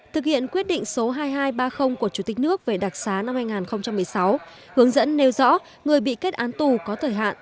thực hiện quyết định số hai nghìn hai trăm ba mươi của chủ tịch nước về đặc xá năm hai nghìn một mươi sáu hướng dẫn nêu rõ người bị kết án tù có thời hạn